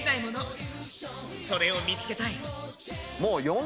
それを見つけたい。